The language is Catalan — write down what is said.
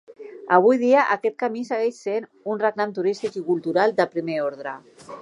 Avui dia aquest Camí segueix sent un reclam turístic i cultural de primer ordre.